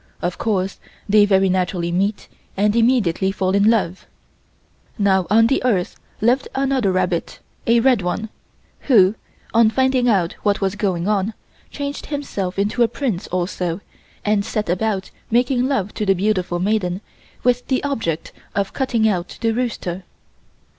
Of course they very naturally meet and immediately fall in love. Now, on the earth lived another rabbit a red one, who, on finding out what was going on, changed himself into a prince also and set about making love to the beautiful maiden with the object of cutting out the rooster.